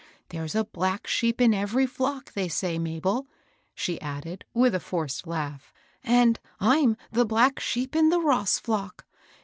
There's a black sheep in every flock, they say, Mabel," she added, with a forced laugh, " and I'm the black sheep in the Ross flock.